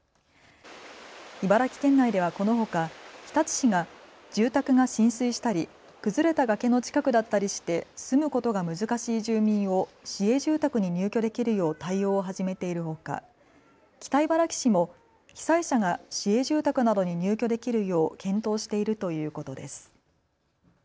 茨城県内ではこのほか日立市が住宅が浸水したり、崩れた崖の近くだったりして住むことが難しい住民を市営住宅に入居できるよう対応を始めているほか北茨城市も被災者が市営住宅などに入居できるよう検討しているということです。